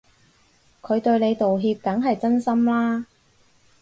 佢對你道歉梗係真心啦